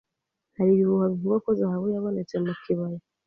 Hari ibihuha bivuga ko zahabu yabonetse mu kibaya.